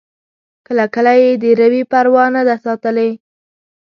کله کله یې د روي پروا نه ده ساتلې.